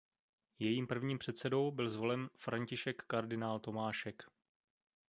Jejím prvním předsedou byl zvolen František kardinál Tomášek.